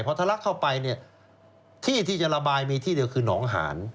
พอทะลักเข้าไปเนี่ยที่ที่จะระบายมีที่เดียวคือหนองหาน